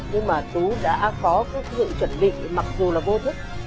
nhưng mà chú đã có sự chuẩn bị mặc dù là vô thức